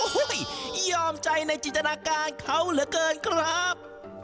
ยอมใจในจิตนาการเขาเหลือเกินครับ